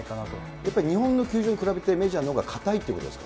やっぱり日本の球場に比べて、メジャーのほうが硬いってことですか。